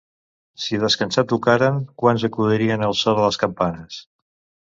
Si a descansar tocaren, quants acudirien al so de les campanes.